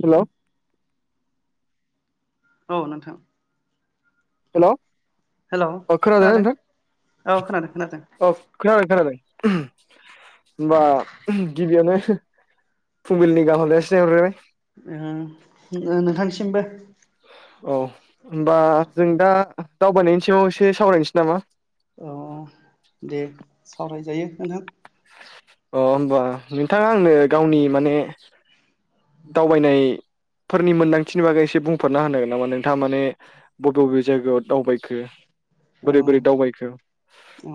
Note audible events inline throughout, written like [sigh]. Hello औ नोंथां hello hello अ खोनादों ना नोंथा औ खोनादों खोनादों अ खोनादों खोनादों होनबा गिबियावनो फुंबिलिनि गाहाम हामलायनाय सिहरग्रोबाय अम ओ नोंथां सि मबो औ होनोमबा जों दा दावबायनायनि सायाव एसे सावरायनोसै नामा औ दे सावराय जायो नोंथां अ होमबा नोंथाङा आंनो गावनि माने दावबायनायफोरनि मोनदांथिनि बागै एसे बुंफोरना होनो नामा नोंथाङा माने बबे बबे जायगायाव दावबायखो। औ बोरै बोरै दावबायखो। औ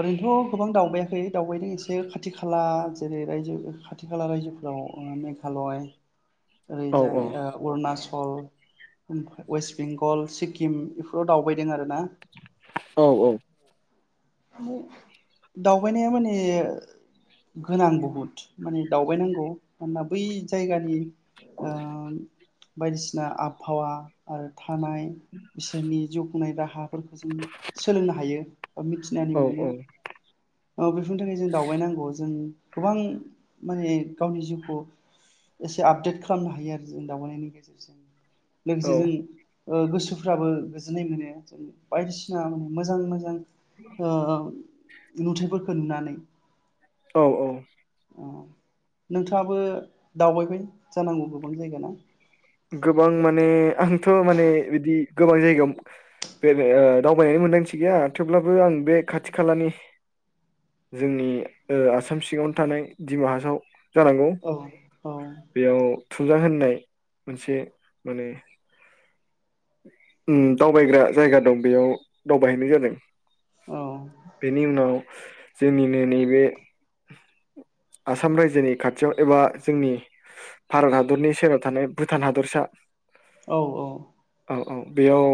ओरैनोथ' गोबां दावबायाखै दावबायदों एसे खाथि खाला जेरै रायजो खाथि खाला रायजोफोराव ओ मेघालय औ ओरैजाय औ ओ अरुण चल अयेस बेंगल सिक्किम बेफोराव दावबायदों आरो ना। औ औ दावबायनाया माने गोनां बहुद माने दावबायनांगौ मानोना बै जायगानि ओ बायदिसिना आबहावा आरो था नाय बिसोरनि जिउ खुंनाय राहाफोरखौ जों सोलोंनो हायो बा मि थिनानै औ मोनो। [unintelligible] फुंनो थाखाय जों दावबाय नांगौ जों गोबां माने गावनि जिउखौ एसे आपडेट खालामनो हायो आरो जों दावबायनायनि गेजेरजों। औ लोगोसे जों ओ गोसोफ्राबो गोजोननाय मोनो जों बायदिसिना मोजां मोजां ओ नुथायफोरखौ नुनानै औ औ नोंथाङाबो दावबायबाय जानांगौ गोबां जायगा ना गोबां माने आंथ माने बिदि गोबां जायगायाव बेराय ओ दावबायनानै मोनदांथि गैया थेवब्लाबो आं बे खाथि खालानि जोंनि ओ आसाम सिङावनो थानाय दिडिमा हासाव जानांगौ औ औ बेयाव थुमजां होननाय मोनसे माने ओम दावबायग्रा जायगा दं बेयाव दावबायहैनाय जादों। औ बेनि उनाव जोंनिनो नैबे आसाम रायजोनि खाथियाव एबा जोंनि भारत हादरनि सेराव थानाय भुटान हादरसा औ औ। औ औ बेयाव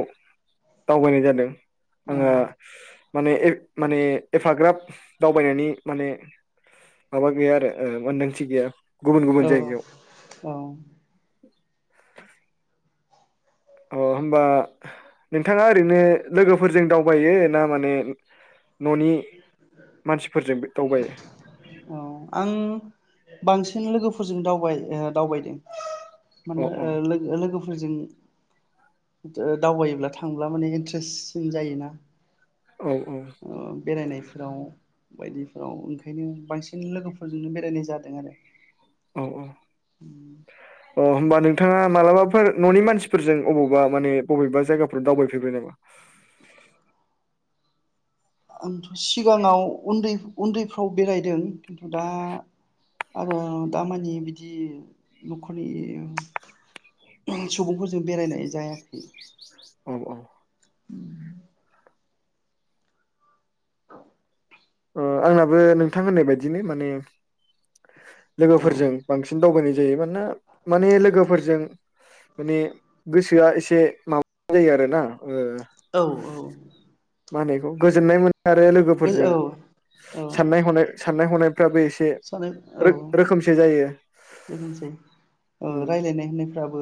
दावबायनाय जादों। औ। आंहा माने माने एफाग्राब दावबायनायनि माने माबा गैया आरो ओ मोनदांथि गैया गुबुन गुबुन औ जायगायाव औ। [unintelligible] अ होमबा नोंथाङा ओरैनो लोगोफोरजों दावबायो ना माने न'नि मानसिफोरजोंबो दावबायो? औ आं बांसिन लोगोफोरजों दाव दावबायदों! अ माने अ ओ लोगो लोगो फोरजों दावबायोब्ला थांब्ला माने इन्ट्रेससिन जायोना औ अ बेरायनाय फोराव बायदिफोराव ओंखायनो बांसिन बिनो लोगोफोरजोंनो बेरायनाय जादों आरो। औ औ अ। होमबा नोंथाङा मालाबाफोर न'नि मानसिफोरजों अबावबा माने बबेबा जायगाफोराव दावबायफेरबाय नामा? आंथ सिगाङाव उन्दै उन्दैफ्राव बेरायदों खिन्थु दा आरो दामानि बिदि नखरनि सुबुंफोरजों बेरायनाय जायाखै। औ औ। उम। ओ आंनाबो नोंथां होननाय बायदिनो माने औ लोगोफोरजों बांसिन दावबायनाय जायो। मानोना‌ माने लोगोफोरजों माने गोसोआ एसे जायो आरो ना ओ। औ मा होनो आंखौ गोजोननाय मोन आरो लोगोफोरजों औ औ साननाय हनाय साननाय-हनाय फ्राबो एसे सानो औ रो-रोखोमसे जायो बेनोसै औ ओम रायलायनाय होननायफ्राबो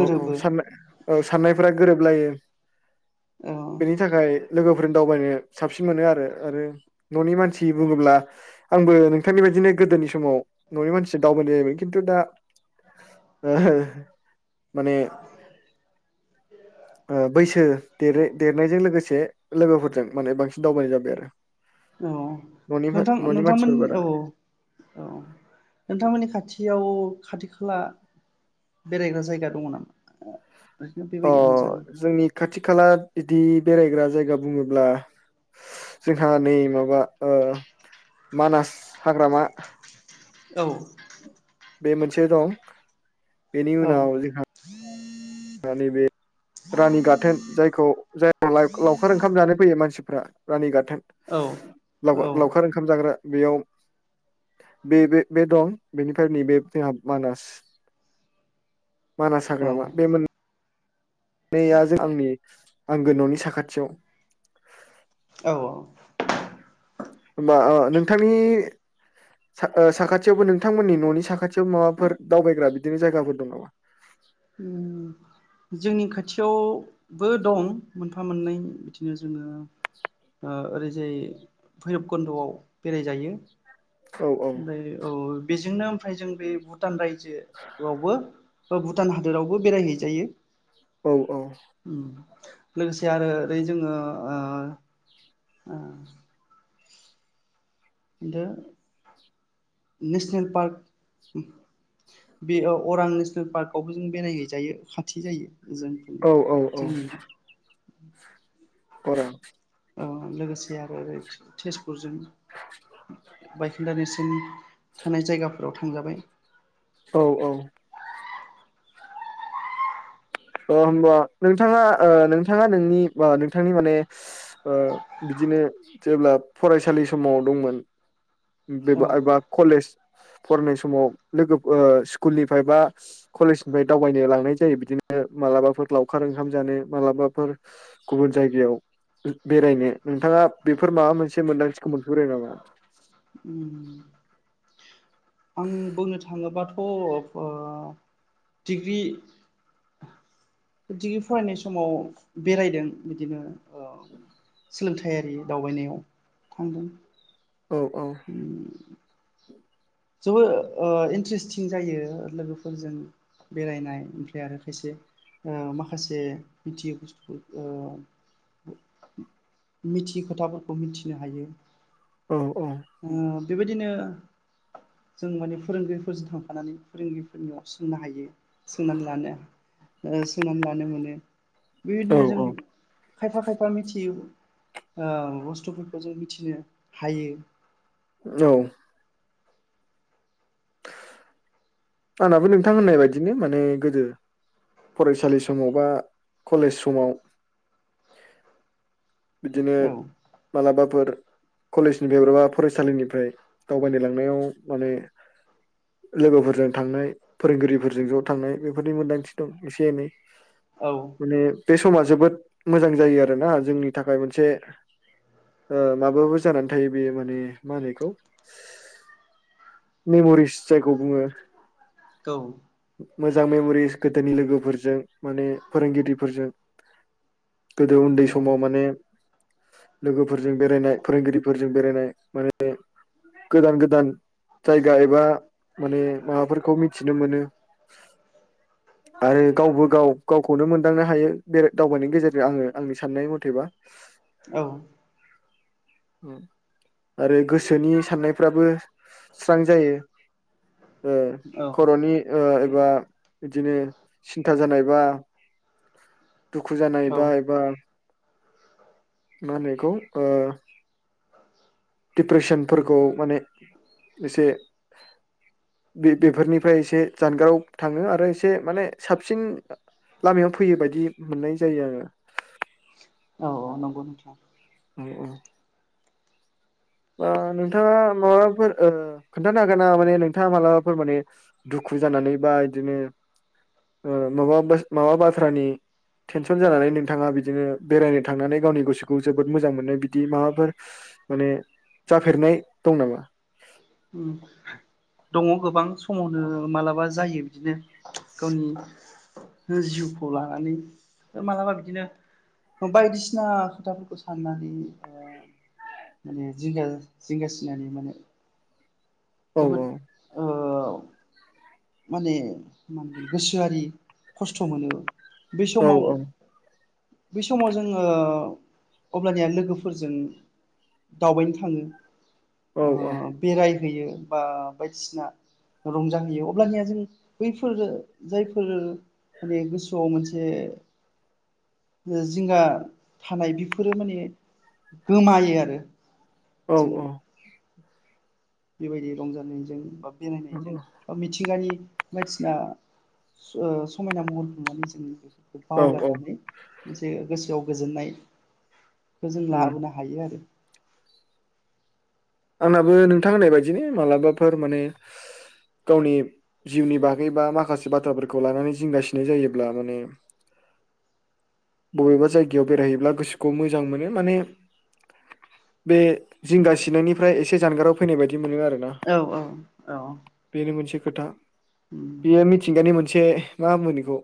औ औ सान औ साननायफ्रा गोरोबलायो। औ बेनि थाखाय लोगोफोरजों दावबायनो साबसिन मोनो आरो आरो। न'नि मानसि बुङोब्ला आंबो नोंथांनि बायदिनो गोदोनि समाव न'नि मानसिसो दावबायनाय जायैबाय खिन्थु दा माने बैसो देरै-देरनायजों लोगोसे लोगोफोरजों माने बांसिन दावबायनाय जाबाय आरो। औ न'नि नोंथां न'नि नोंथांमोन मानसिफोर बारा औ औ नोंथांमोननि खाथियाव खाथि-खाला बेरायग्रा जायगा दङ नामा? ओरैनो अ बेबायदि मोजां जोंनि खाथि-खाला बिदि बेरायग्रा जायगा बुङोब्ला जोंहा नै माबा ओ मानास हाग्रामा औ। बे मोनसे दं। बेनि औ उनाव जोंहा रानि बे रानि गाथोन जायखौ जाय लावखार ओंखाम जानो फैयो मानसि फ्रा रानि गा थोन लावखा औ लावखार ओंखाम जाग्रा बेयाव बे बे बे दं। बेनिफाय नैबे जोंहा मानास मानास औ हाग्रामा बे मोन नै आ जो आंनि आंगो न'नि साखाथियाव। औ औ। [inaudible] होमबा ओ नोंथांनि सा-साखाथियावबो नोंथांमोननि न'नि साखाथियाव माबाफोर दावबायग्रा बिदिनो जायगाफोर दं नामा? ओम जोंनि खाथियाव बो दं मोनफा मोननै। बिदिनो जोङो ओ ओरैजाय भैरबकन्द'आव बेरायजायो औ ओमफाय औ बेजोंनो ओमफ्राय जों बे भुटान राय जोआवबो भुटान हादोरावबो बेराय हैजायो। औ औ। लोगोसे आरो ओरै जोङो ओ ओ इनथो नेसनेल पार्क बे अरां नेसनेल पार्कआवबो जों बेरायहैजायो खाथि जायो। जोंनिखै औ औ जोंनिनो। अरां औ लोगोसे आर ओरै तेजपुरजों बायखोनदा नेरसो जोंनि थानाय जायगाफोराव थांजाबाय औ औ। ओ होमबा नोंथाङा ओ नोंथाङा नोंनि बा नोंथांनि माने बिदिनो जेब्ला फरायसालि समाव दंमोन बे औ एबा कलेज फरायनाय समाव लोगो स्कुलनिफ्राय बा कलेजनिफ्राय दावबायनो लांनाय जायो बिदिनो मालाबाफोर लावखार ओंखाम जानो मालाबाफोर गुबुन जायगायाव बेरायनो नोंथाङा बेफोर माबा मोनसे मोनदांथिखौ मोनफेरबाय नामा? उम आं बुंनो [inaudible] थाङोबाथ' [unintelligible] दिग्रि दिग्रि फरायनाय समाव बेरायदों बिदिनो ओ सोलोंथायारि दावबायनायाव थांदों। [inaudible] औ ज' ओ दे। इन्ट्रेस्टिं जायो लोगोफोरजों बेरायनाय ओमफ्राय आरो खायसे माखासे मिथियै बुस्थु ओ मिथियै खोथाफोरखौ मिथिनो हायो। औ औ ओ बेबायदिनो जों माने फोरोंगिरिफोरजों थांफानानै फोरोंगिरिफोरनियाव सोंनो हायो सोंनानै लानो सोंनानै लानो मोनो। औ बेबायदिनो जों खायफा खायफा मिथियै ओ बुस्थुफोरखौ जों मिथिनो हायो। औ आंनाबो नोंथां होननाय बायदिनो माने गोदो फरायसालि समाव बा कलेज समाव बिदिनो औ मालाबाफोर कलेजनि [unintelligible] फरायसालिनिफ्राय दावबायनो लांनायाव माने लोगोफोरजों थांनाय फोरोंगिरिफोरजों ज' थांनाय बेफोरनि मोन्दांथि दं एसे एनै औ माने बे समा जोबोद मोजां जायो आरो ना जोंनि थाखाय मोनसे माबाबो जानानै थायो बे माने मा होनोखौ मेम'रिस जायखौ बुङो औ मोजां मेम'रिस गोदोनि लोगोफोरजों माने फोरोंगिरिफोरजों गोदो उन्दै समाव औ माने लोगोफोरजों बेरायनाय फोरोंगिरिफोरजों बेरायनाय माने गोदान गोदान जायगा एबा माने माबाफोरखौ खौ मिथिनो मोनो आरो गावबो गाव गावखौनो मोनदांनो हायो बे दावबायनायनि गेजेरजों आङो आंनि साननाय मथेबा औ। आरो गोसोनि साननायफ्राबो स्रां जायो। ओ औ खर'नि एबा बिदिनो सिन्था जानायबा दुखु जानायबा एबा मा होनो इखौ ओ दिप्रेसनफोरखौ माने एसे बे बेफोरनिफ्राय एसे जानगाराव थाङो आरो एसे माने साबसिन लामायाव फैयो बायदि मोननाय जायो आङो। औ नंगौ नोंथां औ औ नोंथाङा माबाफोर खोन्थानो हागोन ना माने नोंथाङा मालाबाफोर ओ माने दुखु जानानै बा बिदिनो ओ माबा माबा बाथ्रानि टेनसन जानानै नोंथाङा बिदिनो बेरायनो थांनानै गावनि गोसोखौ जोबोद मोजां मोनो बिदि माबाफोर माने जाफेरनाय दं नामा? दङ गोबां समावनो मालाबा जायो बिदिनो गावनि जिउखौ लानानै मालाबा बिदिनो बायदिसिना खोथाफोरखौ साननानै माने जिंगासिनानै माने औ जोबोद औ ओ माने गोसोआरि खस्थ' मोनो। बे औ समाव। बै समाव जोङो अब्लानिया लोगोफोरजों दावबायनो थाङो। औ ओ औ बेराय बा बायदिसिना रंजाहोयो। अब्लानिया जों बैफोर जायफोर माने गोसोआव मोनसे जिंगा थानाय बेफोरो माने गोमायो आरो। औ जों औ। बेबायदि रंजानायजों बा बेरायनायजों बा मिथिंगानि बायदिसिना ओ समायना महर नुनानै जों औ औ बावगारनानै मोनसे गोसोआव गोजोननाय। खौ जों उम लाबोनो हायो आरो। आंनाबो नोंथां होननाय बायदिनो मालाबाफोर माने [unintelligible] गावनि जिउनि बागै बा माखासे बाथ्राफोरखौ लानानै जिंगासिनाय जायोब्ला माने बबेबा जायगायाव बेरायहैयोब्ला गोसोखौ मोजां मोनो माने बे जिंगा सिनायनि फ्राय एसे जानगाराव फैनाय बायदि मोनो आर औ औ औ। [inaudible] उम बेयो मिथिंगानि मोन से मा [unintelligible] बिखौ?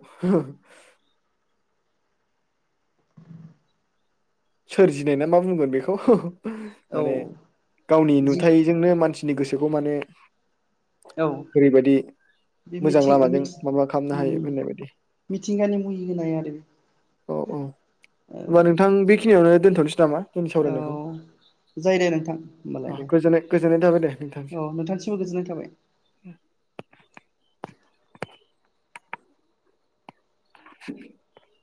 सोरजिनाय ना मा बुंगोन बेखौ? औ माने गावनि जिंगा नुथायजोंनो मानसि गोसोखौ माने औ ओरै बायदि बे मोजां मिथिं ओ लामाजों मिथि माबा खालामनो उम हायो होननाय बायदि मिथिंगानि मुहि होनाय आरो औ औ औ होनबा नोंथां बेखि खिनियावनो दोनथ'सै नामा? औ जायो दे नोंथां अ, होमबालाय दे गोजोननाय गोजोननाय थाबाय दे नोंथांसिम औ नोंथांसिमबो गोजोननाय थाबाय। [inaudible]